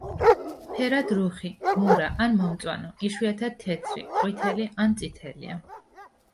ფერად რუხი, მურა ან მომწვანო, იშვიათად თეთრი, ყვითელი ან წითელია.